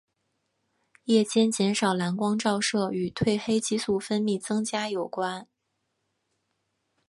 夜间减少蓝光照射与褪黑激素分泌增加有关。